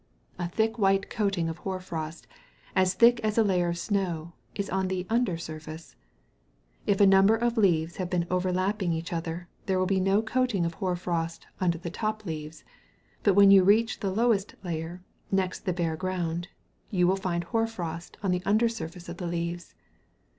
A thick white coating of hoar frost, as thick as a layer of snow, is on the under surface. If a number of leaves have been overlapping each other, there will be no coating of hoar frost under the top leaves; but when you reach the lowest layer, next the bare ground, you will find the hoar frost on the under surface of the leaves.